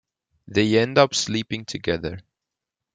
They end up sleeping together.